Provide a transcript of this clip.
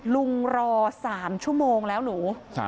รอ๓ชั่วโมงแล้วหนู